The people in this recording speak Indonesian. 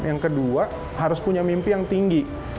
yang kedua harus punya mimpi yang tinggi